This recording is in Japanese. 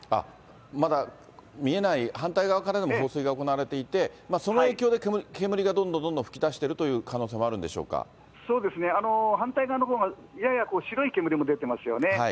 まだ見えない反対側からも放水が行われていて、その影響で煙がどんどんどんどん噴き出しているという可能性もあそうですね、反対側のほうがやや白い煙も出てますよね。